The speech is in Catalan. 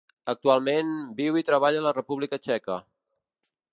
Actualment, viu i treballa a la República Txeca.